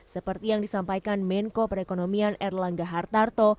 seperti yang disampaikan menko perekonomian erlangga hartarto